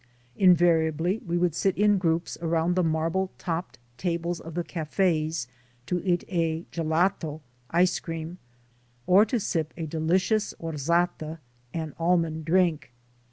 Invariably we would sit in groups around the marble topped tables of the cafes to eat a "gelato" (ice cream), or to sip a delicious "orzata" an almond drink.